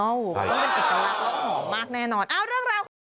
ต้องเป็นเอกลักษณ์แล้วหอมมากแน่นอน